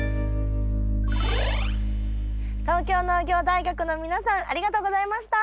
東京農業大学の皆さんありがとうございました！